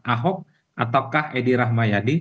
ahok ataukah edi rahmayadi